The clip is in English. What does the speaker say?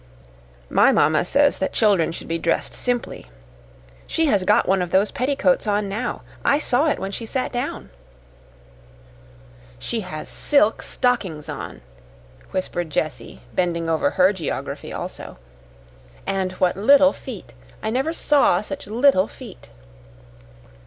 My mamma says that children should be dressed simply. She has got one of those petticoats on now. I saw it when she sat down." "She has silk stockings on!" whispered Jessie, bending over her geography also. "And what little feet! I never saw such little feet."